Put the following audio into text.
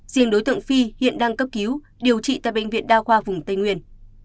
riêng đối tượng phi hiện đang cấp cứu điều trị tại bệnh viện đa khoa vùng tây nguyên